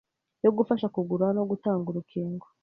yo gufasha kugura no gutanga urukingo